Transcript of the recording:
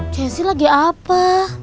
cesi lagi apa